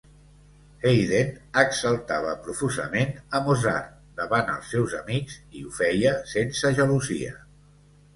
Haydn exaltava profusament a Mozart davant els seus amics, i ho feia sense gelosia.